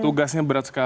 tugasnya berat sekali